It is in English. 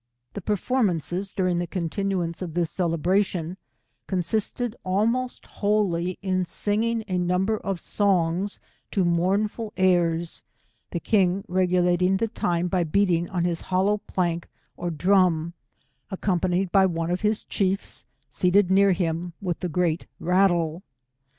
The performances during the conti nuance of this celebration, consisted almost wholly in singing a number of songs to mournful airs, the king regulating the time by beating on his hollow plank or drum, accompanied by one of his chiefs, seated near him with the great rattle.